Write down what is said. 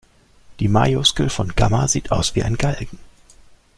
Die Majuskel von Gamma sieht aus wie ein Galgen.